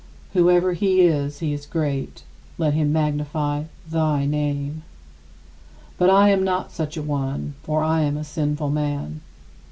Whoever he is, he is great; let him magnify thy name. But I am not such a one, "for I am a sinful man."